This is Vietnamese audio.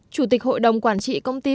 chủ tịch hội đồng quản trị công ty